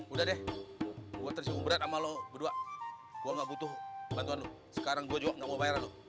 udah deh gua tercengung berat sama lo berdua gua gak butuh bantuan lu sekarang gua juga gak mau bayaran lu